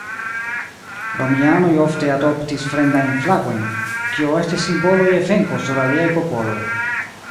Romianoj ofte adoptis fremdajn flagojn, kio estis simbolo je venko sur aliaj popoloj.